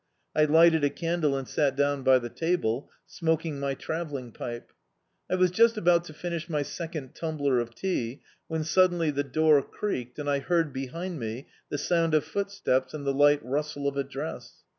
I lighted a candle and sat down by the table, smoking my travelling pipe. I was just about to finish my second tumbler of tea when suddenly the door creaked and I heard behind me the sound of footsteps and the light rustle of a dress.